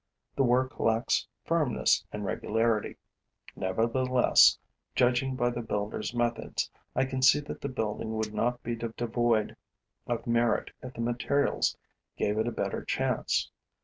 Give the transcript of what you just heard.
The work lacks firmness and regularity. Nevertheless, judging by the builder's methods, I can see that the building would not be devoid of merit if the materials gave it a better chance.